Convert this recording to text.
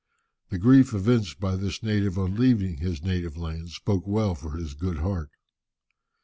The grief evinced by this native on leaving his native land spoke well for his good heart.